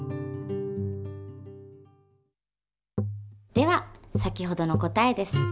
では先ほどの答えです。